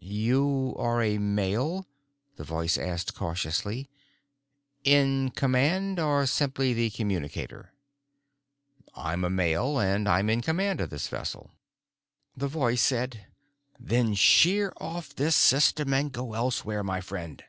"You are a male?" the voice asked cautiously. "In command or simply the communicator?" "I'm a male and I'm in command of this vessel." The voice said: "Then sheer off this system and go elsewhere, my friend."